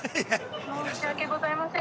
◆申し訳ございません。